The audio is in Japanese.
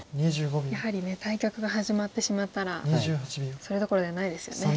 やはりね対局が始まってしまったらそれどころじゃないですよね。